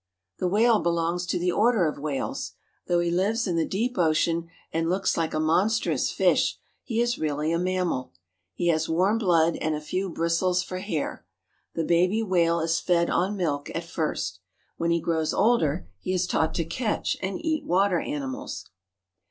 The whale belongs to the Order of Whales. Though he lives in the deep ocean and looks like a monstrous fish, he is really a mammal. He has warm blood and a few bristles for hair. The baby whale is fed on milk at first. When he grows older he is taught to catch and eat water animals.